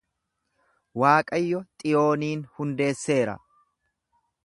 Waaqayyo Xiyooniin hundeesseera.